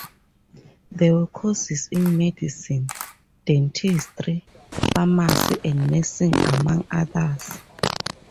There were courses in medicine, dentistry, pharmacy, and nursing among others.